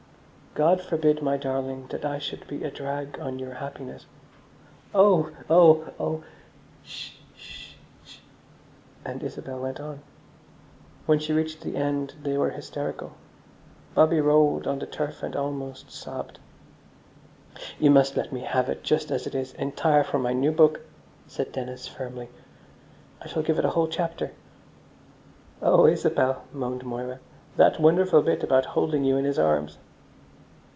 God forbid, my darling, that I should be a drag on your happiness. "Oh! oh! oh!" "Sh! sh! sh!" And Isabel went on. When she reached the end they were hysterical: Bobby rolled on the turf and almost sobbed. "You must let me have it just as it is, entire, for my new book," said Dennis firmly. "I shall give it a whole chapter." "Oh, Isabel," moaned Moira, "that wonderful bit about holding you in his arms!"